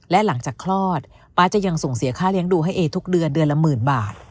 และหลังจากคลอดป๊าจะยังส่งเสียค่าเลี้ยงดูให้เอทุกเดือนเดือนละหมื่นบาท